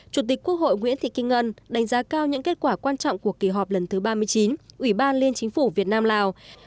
chủ tịch quốc hội nguyễn thị kim ngân đánh giá cao những kết quả quan trọng của kỳ họp lần thứ ba mươi chín ủy ban liên chính phủ việt nam lào